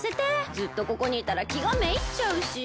ずっとここにいたらきがめいっちゃうし。